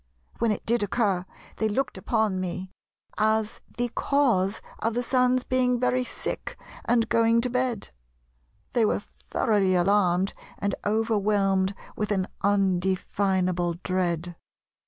When it did occur they looked upon me as the cause of the Sun's being 'very sick and going to bed.' They were thoroughly alarmed, and overwhelmed with an undefinable dread."